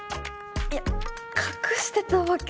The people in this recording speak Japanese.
いや隠してたわけじゃ。